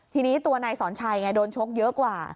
ทีนี้ตัวนายสอนชัยไงโดนชกเยอะกว่า